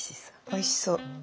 おいしそう。